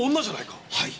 はい。